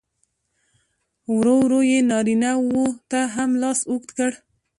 ورو ورو یې نارینه و ته هم لاس اوږد کړ.